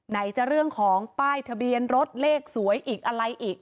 ไหนจะเรื่องของป้ายทะเบียนรถเลขสวยอีกอะไรอีก